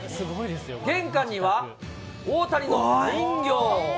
玄関には大谷の人形。